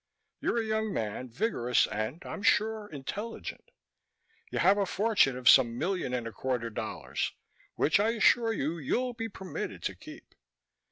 You're a young man, vigorous and, I'm sure, intelligent. You have a fortune of some million and a quarter dollars, which I assure you you'll be permitted to keep.